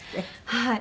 はい。